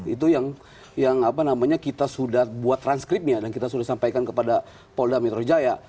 itu yang kita sudah buat transkripnya dan kita sudah sampaikan kepada polda metro jaya